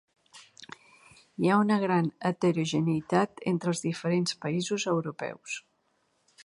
Hi ha una gran heterogeneïtat entre els diferents països europeus.